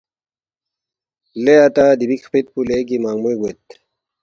”لے اتا دِیبِک خپِت پو لیگی منگموے گوید